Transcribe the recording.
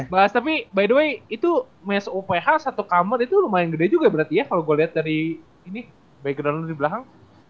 bahas tapi by the way itu mes uph satu kamar itu lumayan gede juga berarti ya kalo gua liat dari ini background lu di belakang